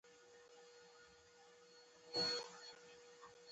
ایا ساړه مو ډیر کیږي؟